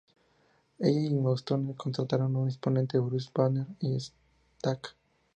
Ella y Moonstone contrataron a un impotente Bruce Banner y Skaar.